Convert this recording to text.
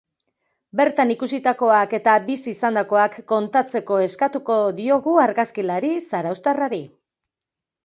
Bertan ikusitakoak eta bizi izandakoak kontatzeko eskatuko diogu argazkilari zarauztarrari.